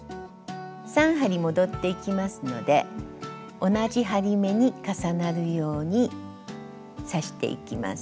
３針戻っていきますので同じ針目に重なるように刺していきます。